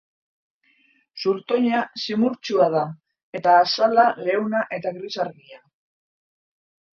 Zurtoina zimurtsua da, eta azala leuna eta gris argia.